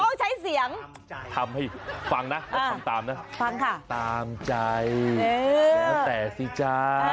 ต้องใช้เสียงฟังนะตามใจแล้วแต่สิจ๊ะ